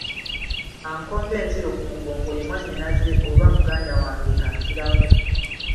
Ankomba enziro ku mugongo ye mwannyinaze oba muganda wange anzirako.